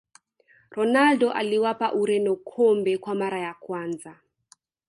ronaldo aliwapa ureno kombe kwa mara ya kwanza